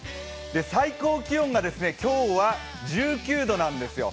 最高気温が今日は１９度なんですよ。